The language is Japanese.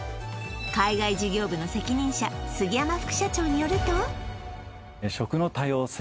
海外事業部の責任者杉山副社長によると食の多様性